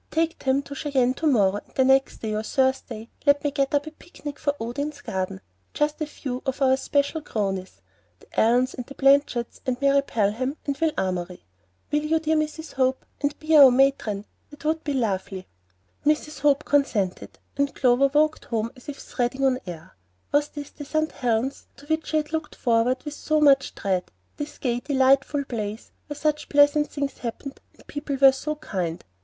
"Take them to Cheyenne to morrow; and the next day or Thursday let me get up a picnic for Odin's Garden; just a few of our special cronies, the Allans and the Blanchards and Mary Pelham and Will Amory. Will you, dear Mrs. Hope, and be our matron? That would be lovely." Mrs. Hope consented, and Clover walked home as if treading on air. Was this the St. Helen's to which she had looked forward with so much dread, this gay, delightful place, where such pleasant things happened, and people were so kind?